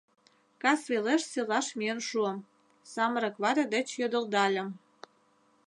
Кас велеш селаш миен шуым, самырык вате деч йодылдальым: